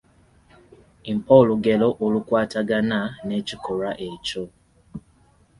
Mpa olugero olukwatagana n’ekikolwa ekyo.